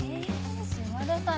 島田さん